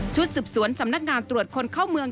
สืบสวนสำนักงานตรวจคนเข้าเมือง